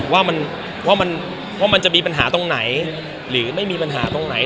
ว่ามันเพราะมันจะมีปัญหาตรงไหนหรือไม่มีปัญหาตรงไหน